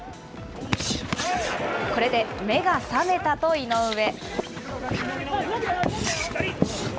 これで目が覚めたと井上。